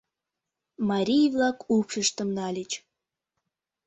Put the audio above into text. Марий-влак упшыштым нальыч.